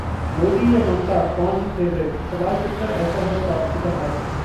मोदी या ममता, कौन है फेवरेट? सवाल सुनकर ऐसा हुआ तापसी का हाल